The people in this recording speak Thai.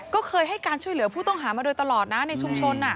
ก็เคยให้การช่วยเหลือผู้ต้องหามาโดยตลอดนะในชุมชน